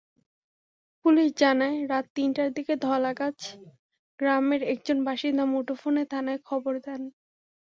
Police জানায়, রাত তিনটার দিকে ধলাগাছ গ্রামের একজন বাসিন্দা মুঠোফোনে থানায় খবর দেন।